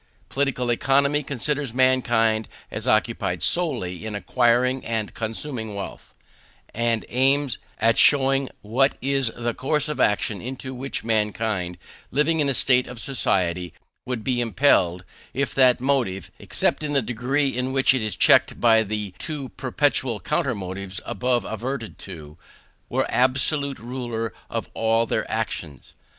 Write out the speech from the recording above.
Political Economy considers mankind as occupied solely in acquiring and consuming wealth; and aims at showing what is the course of action into which mankind, living in a state of society, would be impelled, if that motive, except in the degree in which it is checked by the two perpetual counter motives above adverted to, were absolute ruler of all their actions.